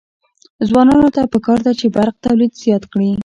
ځوانانو ته پکار ده چې، برق تولید زیات کړي.